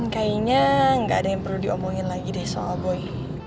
kayaknya nggak ada yang perlu diomongin lagi deh soal boy